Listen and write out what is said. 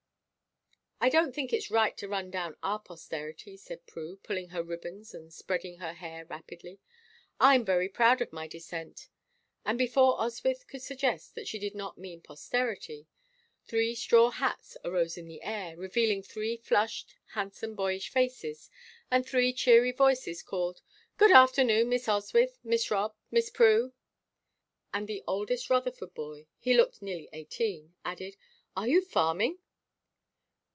"I don't think it's right to run down our posterity," said Prue, pulling her ribbons and spreading her hair rapidly. "I'm very proud of my descent." And before Oswyth could suggest that she did not mean posterity, three straw hats arose in the air, revealing three flushed, handsome, boyish faces, and three cheery voices called: "Good afternoon, Miss Oswyth, Miss Rob, Miss Prue." And the oldest Rutherford boy he looked nearly eighteen added: "Are you farming?"